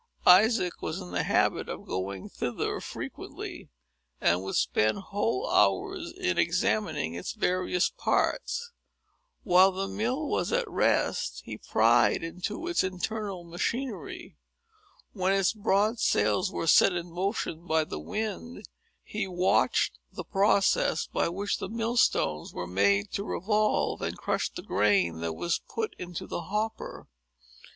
Isaac was in the habit of going thither frequently, and would spend whole hours in examining its various parts. While the mill was at rest, he pryed into its internal machinery. When its broad sails were set in motion by the wind, he watched the process by which the mill stones were made to revolve, and crush the grain that was put into the hopper.